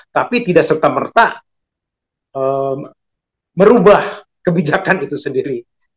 tapi tidak serta merta merubah kebijakan itu sendiri